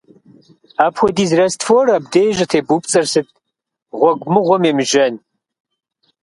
Апхуэдиз раствор абдей щӀытебупцӀэр сыт, гъуэгу мыгъуэм емыжьэн?!